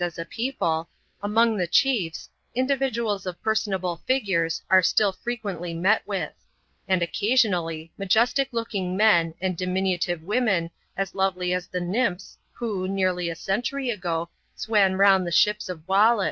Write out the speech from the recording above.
131 as a people, among the cheifs, individuals of personable figures are still frequently met with ; and, occasionally, majestic look* ing men, and diminutive women as lovely as the nymphs who, Nearly a century ago, swam round the ships of Wallis.